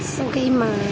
sau khi mà